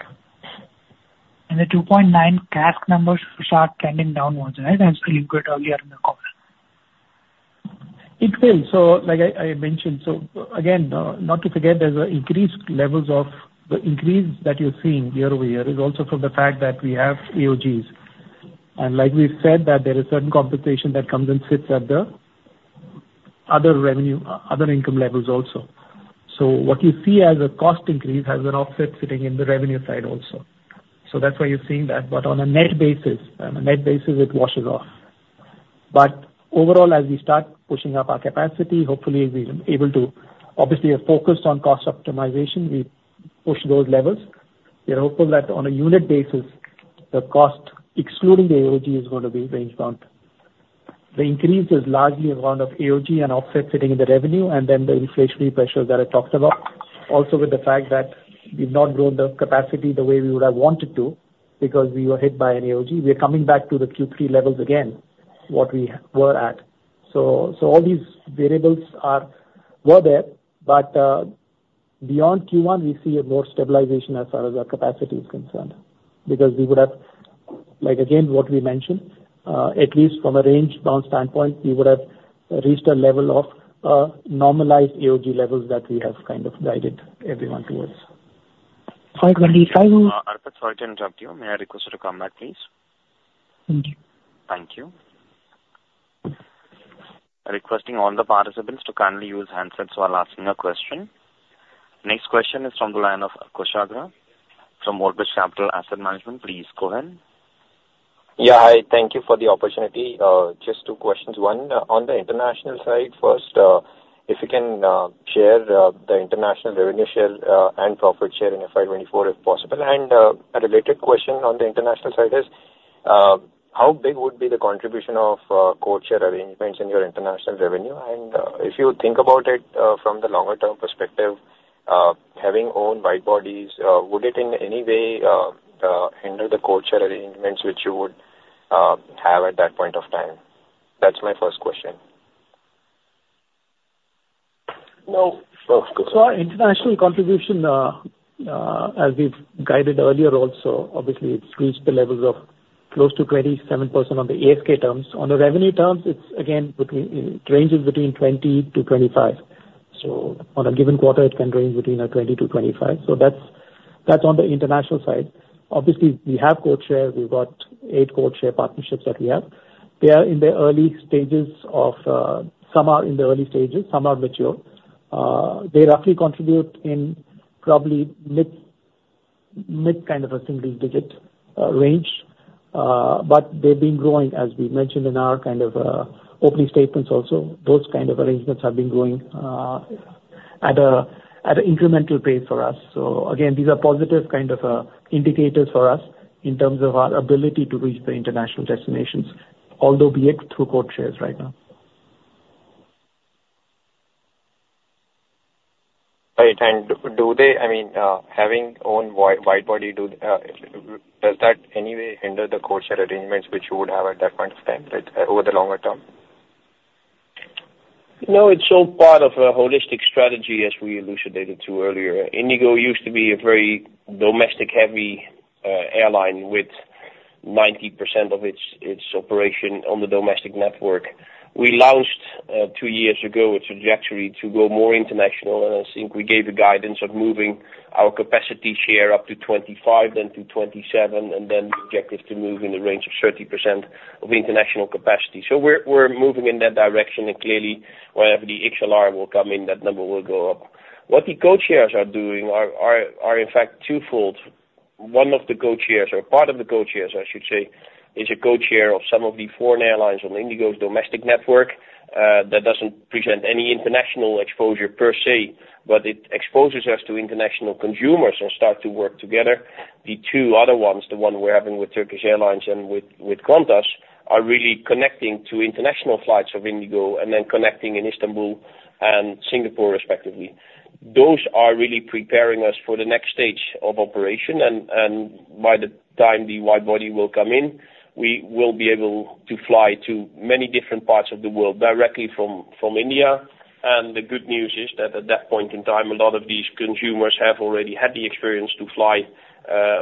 The 2.9 CASK numbers should start trending downwards, right? As you indicated earlier in the call. It will. So like I mentioned, so again, not to forget, there's an increased levels of the increase that you're seeing year-over-year is also from the fact that we have AOGs. And like we've said, that there is certain compensation that comes and sits at the other revenue, other income levels also. So what you see as a cost increase has an offset sitting in the revenue side also. So that's why you're seeing that. But on a net basis, on a net basis, it washes off. But overall, as we start pushing up our capacity, hopefully we'll be able to. Obviously, we're focused on cost optimization. We push those levels. We are hopeful that on a unit basis, the cost, excluding the AOG, is going to be range bound. The increase is largely around AOG and offset sitting in the revenue, and then the inflationary pressures that I talked about, also with the fact that we've not grown the capacity the way we would have wanted to, because we were hit by an AOG. We're coming back to the Q3 levels again, what we were at. So all these variables are, were there, but beyond Q1, we see a more stabilization as far as our capacity is concerned, because we would have. like again, what we mentioned, at least from a range bound standpoint, we would have reached a level of normalized AOG levels that we have kind of guided everyone towards. Five twenty-five Arpit, sorry to interrupt you. May I request you to come back, please? Thank you. Thank you. Requesting all the participants to kindly use handsets while asking a question. Next question is from the line of Kushagra, from Old Bridge Capital Management. Please go ahead. Yeah, I thank you for the opportunity. Just two questions. One, on the international side, first, if you can share the international revenue share and profit share in FY 2024, if possible. And, a related question on the international side is, how big would be the contribution of codeshare arrangements in your international revenue? And, if you think about it, from the longer term perspective, having own wide-bodies, would it in any way hinder the codeshare arrangements which you would have at that point of time? That's my first question. So our international contribution, as we've guided earlier also, obviously it's reached the levels of close to 27% on the ASK terms. On the revenue terms, it's again, between, it ranges between, 20-25. So on a given quarter, it can range between, 20-25. So that's, that's on the international side. Obviously, we have codeshare. We've got 8 codeshare partnerships that we have. They are in the early stages of some are in the early stages, some are mature. They roughly contribute in probably mid-single-digit range, but they've been growing, as we mentioned in our kind of opening statements also. Those kind of arrangements have been growing, at an incremental pace for us. So again, these are positive kind of indicators for us in terms of our ability to reach the international destinations, although be it through codeshares right now. Right. And do they, I mean, having own wide body, does that any way hinder the codeshare arrangements, which you would have at that point in time, like, over the longer term? No, it's all part of a holistic strategy, as we elucidated to earlier. IndiGo used to be a very domestic-heavy airline, with 90% of its operation on the domestic network. We launched two years ago a trajectory to go more international, and I think we gave the guidance of moving our capacity share up to 25, then to 27, and then the objective to move in the range of 30% of international capacity. So we're moving in that direction, and clearly, whenever the XLR will come in, that number will go up. What the codeshares are doing are in fact two-fold. One of the codeshares, or part of the codeshares, I should say, is a codeshare of some of the foreign airlines on IndiGo's domestic network. That doesn't present any international exposure per se, but it exposes us to international consumers who start to work together. The two other ones, the one we're having with Turkish Airlines and with, with Qantas, are really connecting to international flights of IndiGo and then connecting in Istanbul and Singapore, respectively. Those are really preparing us for the next stage of operation, and by the time the wide body will come in, we will be able to fly to many different parts of the world, directly from, from India. And the good news is that at that point in time, a lot of these consumers have already had the experience to fly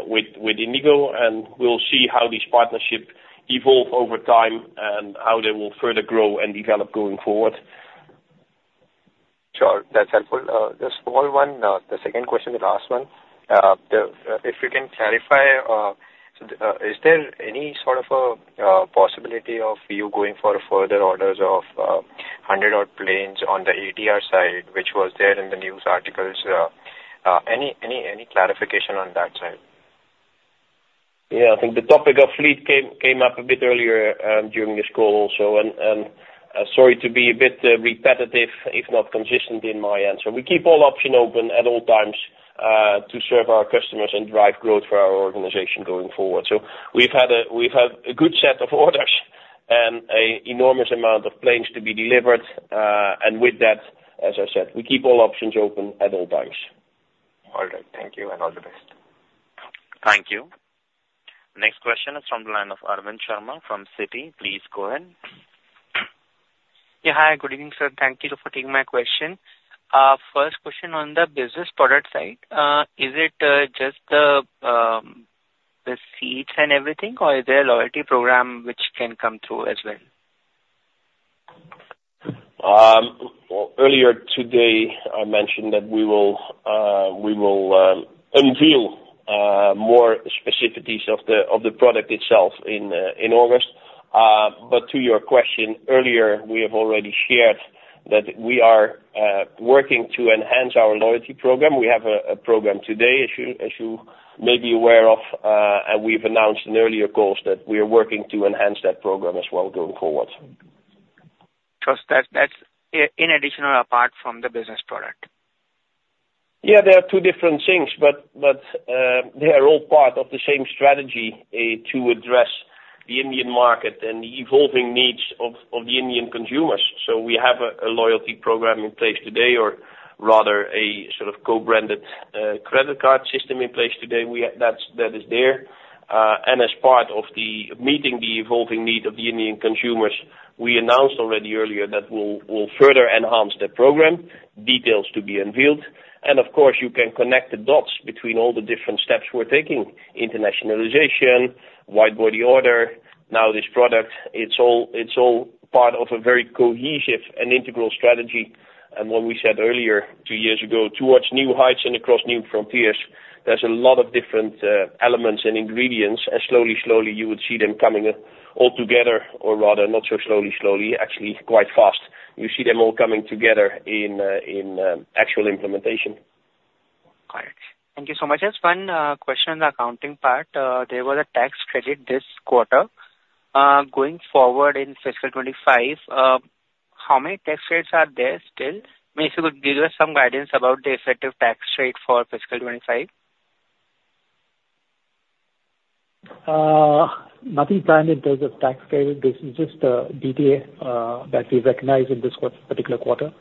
with, with IndiGo, and we'll see how this partnership evolve over time and how they will further grow and develop going forward. Sure. That's helpful. The small one, the second question, the last one. If you can clarify, so, is there any sort of a possibility of you going for further orders of 100-odd planes on the A320 side, which was there in the news articles? Any, any, any clarification on that side? Yeah, I think the topic of fleet came up a bit earlier, during this call also, and, sorry to be a bit repetitive, if not consistent in my answer. We keep all options open at all times to serve our customers and drive growth for our organization going forward. So we've had a good set of orders, an enormous amount of planes to be delivered, and with that, as I said, we keep all options open at all times. All right. Thank you, and all the best. Thank you. Next question is from the line of Arvind Sharma from Citi. Please go ahead. Yeah, hi, good evening, sir. Thank you for taking my question. First question on the business product side, is it just the seats and everything, or is there a loyalty program which can come through as well? Earlier today, I mentioned that we will unveil more specificities of the product itself in August. But to your question, earlier, we have already shared that we are working to enhance our loyalty program. We have a program today, as you may be aware of, and we've announced in earlier calls that we are working to enhance that program as well going forward. So, that, that's in addition apart from the business product? Yeah, they are two different things, but they are all part of the same strategy to address the Indian market and the evolving needs of the Indian consumers. So we have a loyalty program in place today, or rather a sort of co-branded credit card system in place today. We have that's, that is there. And as part of the meeting the evolving need of the Indian consumers, we announced already earlier that we'll further enhance the program, details to be unveiled. Of course, you can connect the dots between all the different steps we're taking. Internationalization, wide-body order, now this product, it's all part of a very cohesive and integral strategy. What we said earlier, two years ago, towards new heights and across new frontiers, there's a lot of different elements and ingredients, and slowly, slowly, you would see them coming all together, or rather, not so slowly, slowly, actually, quite fast. You see them all coming together in, in actual implementation. Got it. Thank you so much. Just one question on the accounting part. There was a tax credit this quarter. Going forward in fiscal 25, how many tax credits are there still? Maybe you could give us some guidance about the effective tax rate for fiscal 25. Nothing planned in terms of tax credit. This is just a DTA that we recognized in this particular quarter.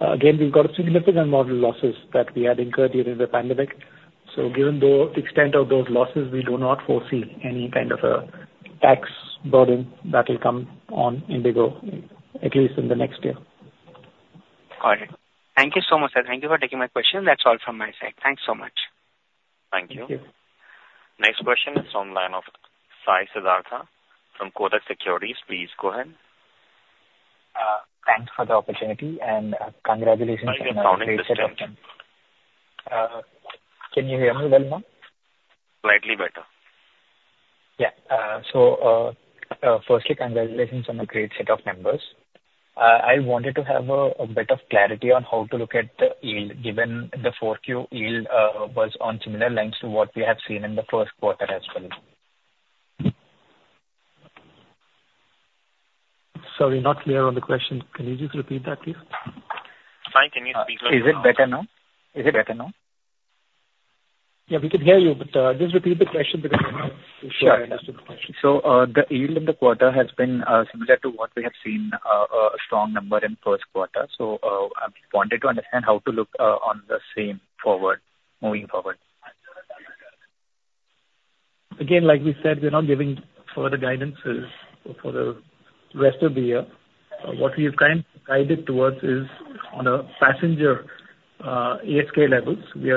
Again, we've got significant model losses that we had incurred during the pandemic. So given the extent of those losses, we do not foresee any kind of a tax burden that will come on IndiGo, at least in the next year. All right. Thank you so much, sir. Thank you for taking my question. That's all from my side. Thanks so much. Thank you. Thank you. Next question is on line of Sai Siddhartha from Kotak Securities. Please go ahead. Thanks for the opportunity, and, congratulations on a great set of- Sorry your volume is low. Can you hear me well now? Slightly better. Yeah. So, firstly, congratulations on a great set of numbers. I wanted to have a bit of clarity on how to look at the yield, given the 4Q yield was on similar lines to what we have seen in the first quarter as well. Sorry, not clear on the question. Can you just repeat that, please? Sai, can you please Is it better now? Is it better now? Yeah, we can hear you, but just repeat the question because I'm not sure I understood the question. Sure. So, the yield in the quarter has been similar to what we have seen, a strong number in first quarter. So, I wanted to understand how to look on the same forward, moving forward. Again, like we said, we're not giving further guidances for the rest of the year. What we have kind of guided towards is on a passenger ASK levels, we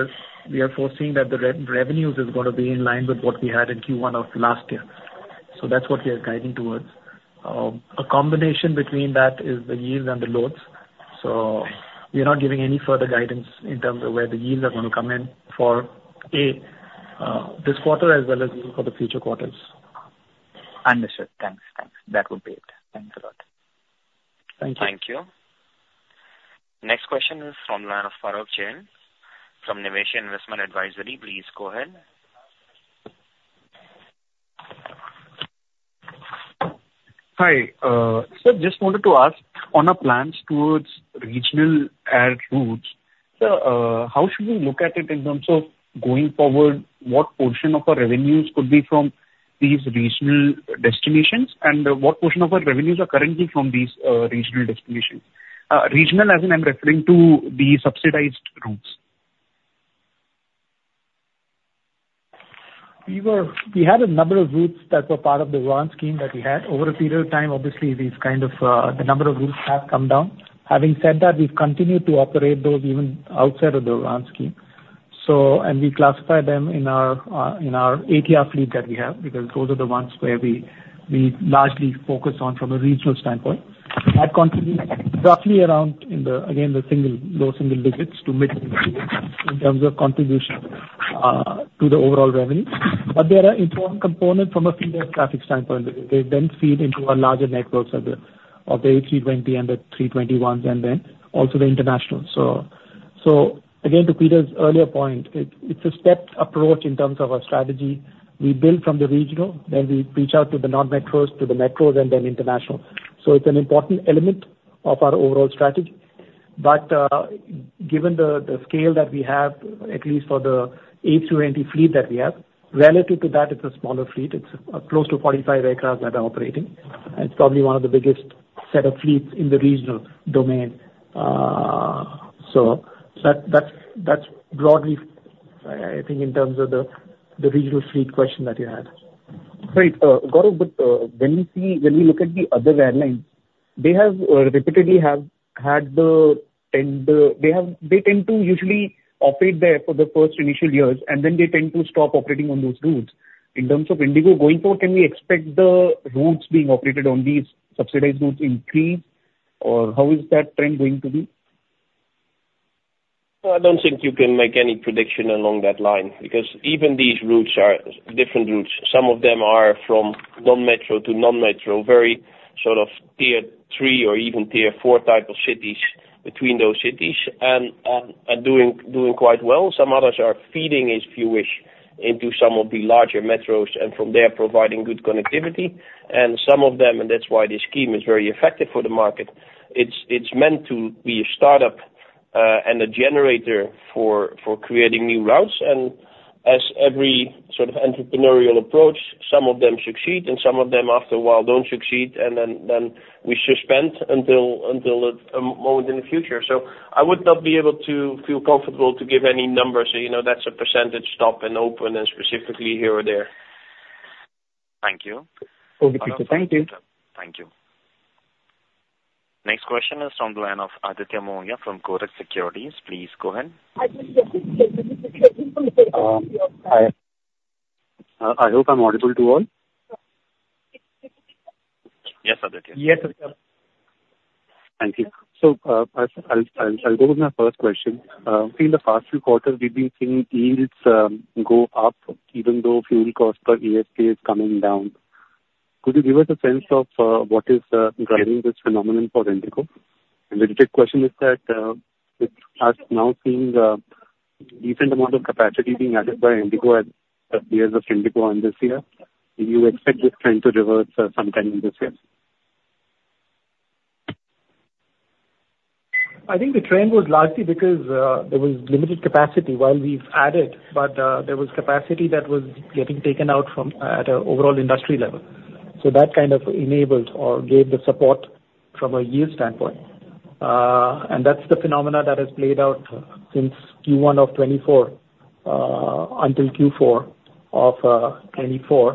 are foreseeing that the revenues is gonna be in line with what we had in Q1 of last year. So that's what we are guiding towards. A combination between that is the yields and the loads. So we are not giving any further guidance in terms of where the yields are going to come in for this quarter as well as for the future quarters. Understood. Thanks, thanks. That would be it. Thanks a lot. Thank you. Thank you. Next question is from the line of Parul Jain from Niveshaay Investment Advisory. Please go ahead. Hi. So just wanted to ask on our plans towards regional air routes. So, how should we look at it in terms of going forward? What portion of our revenues could be from these regional destinations, and what portion of our revenues are currently from these, regional destinations? Regional, as in I'm referring to the subsidized routes. We had a number of routes that were part of the route scheme that we had. Over a period of time, obviously, these kind of, the number of routes have come down. Having said that, we've continued to operate those even outside of the route scheme. So, and we classify them in our ATR fleet that we have, because those are the ones where we largely focus on from a regional standpoint. That contributes roughly around in the, again, low single digits to mid in terms of contribution to the overall revenue. But they are an important component from a feeder traffic standpoint. They then feed into our larger networks of the A320 and the 321s, and then also the international. So again, to Pieter's earlier point, it's a stepped approach in terms of our strategy. We build from the regional, then we reach out to the non-metros, to the metros and then international. So it's an important element of our overall strategy. But, given the scale that we have, at least for the ATR fleet that we have, relative to that, it's a smaller fleet. It's close to 45 aircraft that are operating, and it's probably one of the biggest set of fleets in the regional domain. So that's broadly, I think in terms of the regional fleet question that you had. Great. Gaurav, but when we see When we look at the other airlines, they have repeatedly have had the tendency, they tend to usually operate there for the first initial years, and then they tend to stop operating on those routes. In terms of IndiGo going forward, can we expect the routes being operated on these subsidized routes increase, or how is that trend going to be? I don't think you can make any prediction along that line, because even these routes are different routes. Some of them are from non-metro to non-metro, very sort of tier three or even tier four type of cities between those cities, and are doing quite well. Some others are feeding, if you wish, into some of the larger metros, and from there providing good connectivity. And some of them, and that's why this scheme is very effective for the market, it's meant to be a startup and a generator for creating new routes. And as every sort of entrepreneurial approach, some of them succeed, and some of them, after a while, don't succeed, and then we suspend until a moment in the future. So I would not be able to feel comfortable to give any numbers. You know, that's a percentage stop and open and specifically here or there. Thank you. Over to you, sir. Thank you. Thank you Next question is from the line of Aditya Mongia from Kotak Securities. Please go ahead. I hope I'm audible to all? Yes, Aditya. Yes, sir. Thank you. So, I'll go with my first question. In the past few quarters, we've been seeing yields go up, even though fuel cost per ASK is coming down. Could you give us a sense of what is driving this phenomenon for IndiGo? And the second question is that, with us now seeing a decent amount of capacity being added by IndiGo as peers of IndiGo in this year, do you expect this trend to reverse sometime in this year? I think the trend was largely because, there was limited capacity while we've added, but, there was capacity that was getting taken out from at an overall industry level. So that kind of enabled or gave the support from a yield standpoint. And that's the phenomena that has played out since Q1 of 2024, until Q4 of 2024.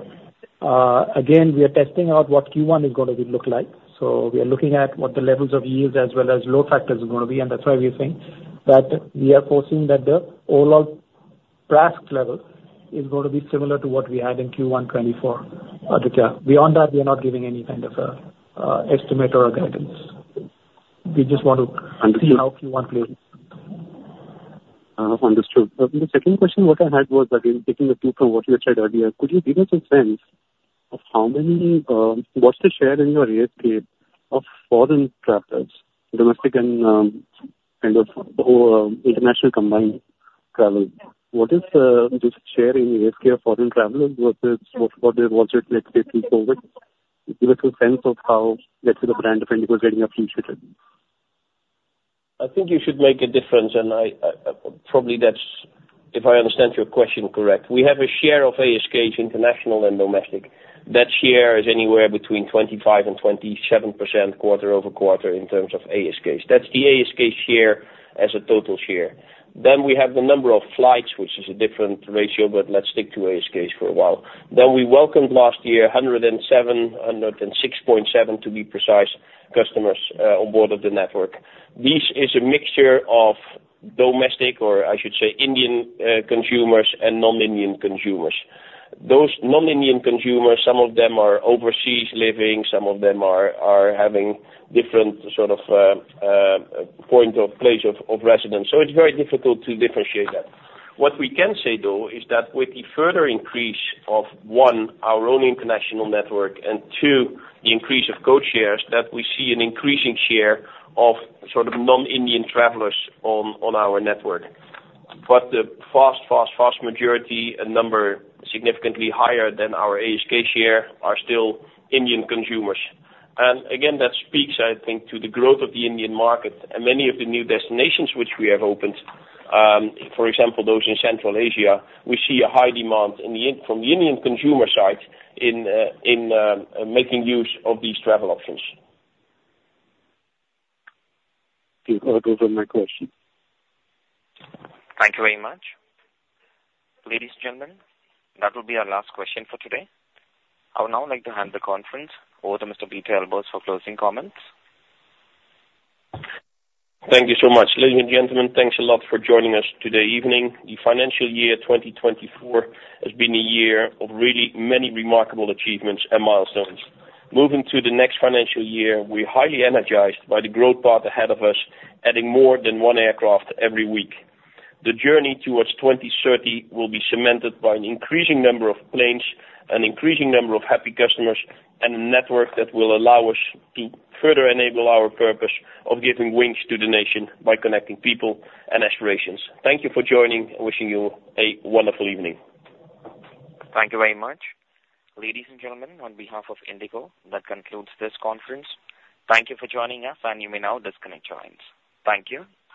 Again, we are testing out what Q1 is gonna be look like. So we are looking at what the levels of yields as well as load factors are gonna be, and that's why we think that we are foreseeing that the overall price level is gonna be similar to what we had in Q1 2024, Aditya. Beyond that, we are not giving any kind of, estimate or guidance. We just want to- Understood. See how Q1 plays. Understood. So the second question, what I had was, again, taking a cue from what you had said earlier, could you give us a sense of what's the share in your ASK of foreign travelers, domestic and kind of the whole international combined travel? What is the share in ASK of foreign travelers versus what was it like pre-COVID? Give us a sense of how the international getting appreciated. I think you should make a difference, and I, probably that's, if I understand your question correct, we have a share of ASKs, international and domestic. That share is anywhere between 25%-27% quarter-over-quarter in terms of ASKs. That's the ASK share as a total share. Then we welcomed last year, 107, 106.7, to be precise, customers on board of the network. This is a mixture of domestic, or I should say Indian, consumers and non-Indian consumers. Those non-Indian consumers, some of them are overseas living, some of them are having different sort of point of place of residence, so it's very difficult to differentiate that. What we can say, though, is that with the further increase of, 1, our own international network, and 2, the increase of code shares, that we see an increasing share of sort of non-Indian travelers on, on our network. But the vast, vast, vast majority, a number significantly higher than our ASK share, are still Indian consumers. And again, that speaks, I think, to the growth of the Indian market and many of the new destinations which we have opened, for example, those in Central Asia, we see a high demand from the Indian consumer side in making use of these travel options. Okay. Those are my questions. Thank you very much. Ladies and gentlemen, that will be our last question for today. I would now like to hand the conference over to Mr. Pieter Elbers for closing comments. Thank you so much. Ladies and gentlemen, thanks a lot for joining us today evening. The financial year 2024 has been a year of really many remarkable achievements and milestones. Moving to the next financial year, we're highly energized by the growth path ahead of us, adding more than one aircraft every week. The journey towards 2030 will be cemented by an increasing number of planes, an increasing number of happy customers, and a network that will allow us to further enable our purpose of giving wings to the nation by connecting people and aspirations. Thank you for joining and wishing you a wonderful evening. Thank you very much. Ladies and gentlemen, on behalf of IndiGo, that concludes this conference. Thank you for joining us, and you may now disconnect your lines. Thank you.